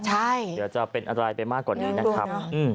เดี๋ยวจะเป็นอะไรไปมากกว่านี้นะครับ